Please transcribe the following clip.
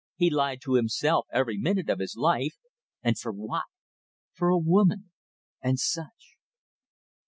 He lied to himself every minute of his life. And for what? For a woman. And such.